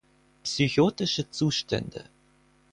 Psychotische Zustände.